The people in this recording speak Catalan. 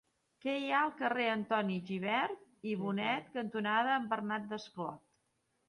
Què hi ha al carrer Antoni Gilabert i Bonet cantonada Bernat Desclot?